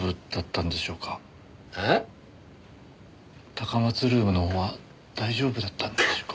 高松ルームのほうは大丈夫だったんでしょうか？